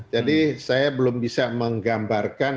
jadi saya belum bisa menggambarkan